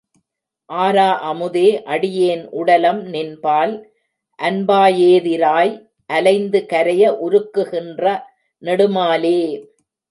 ஆரா அமுதே அடியேன் உடலம் நின்பால் அன்பாயே திராய் அலைந்து கரைய உருக்கு கின்ற நெடுமாலே!